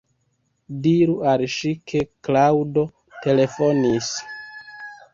Diru al ŝi ke Klaŭdo telefonis.